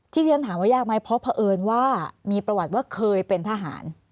ที่ที่ฉันถามว่ายากไหมเพราะเผอิญว่ามีประวัติว่าเคยเป็นทหาร